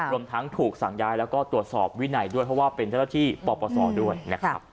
รวมทั้งถูกสั่งย้ายแล้วก็ตรวจสอบวินัยด้วยเพราะว่าเป็นเจ้าหน้าที่ปปศด้วยนะครับ